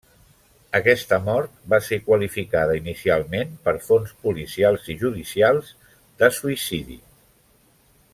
Aquesta mort va ser qualificada inicialment per fonts policials i judicials de suïcidi.